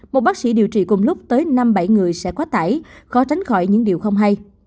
một bác sĩ điều trị cùng lúc tới năm bảy người sẽ quá tải khó tránh khỏi những điều không hay